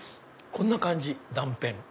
こんな感じ断片。